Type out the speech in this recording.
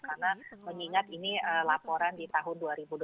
karena mengingat ini laporan di tahun dua ribu dua puluh satu